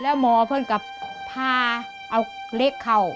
แล้วม้อเพื่อนกับผ้าเอาเละเข่า